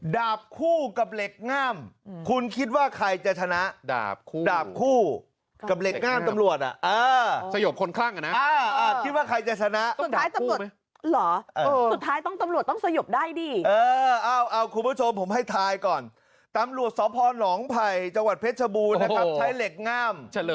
ดาบคู่กับเหล็กง่ำคุณคิดว่าใครจะชนะ